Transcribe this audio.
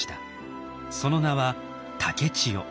その名は竹千代。